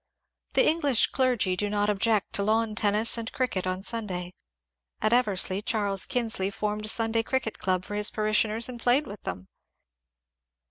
The English clergy do not object to lawn tennis and cricket on Sunday. At Eversley Charles Kingsley formed a Sunday cricket club for his parishioners and played with them.